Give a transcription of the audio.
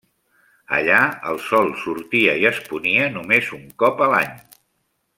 Allà el sol sortia i es ponia només un cop a l'any.